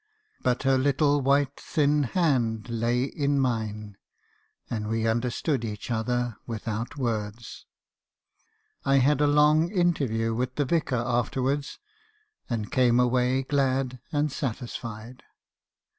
But her little white thin hand lay in mine ; and we understood each other without words. I had a long interview with the Vicar after wards; and came away glad and satisfied. "Mr.